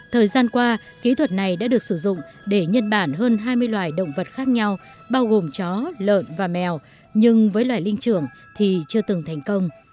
thời gian qua kỹ thuật này đã được sử dụng để nhân bản hơn hai mươi loài động vật khác nhau bao gồm chó lợn và mèo nhưng với loài linh trưởng thì chưa từng thành công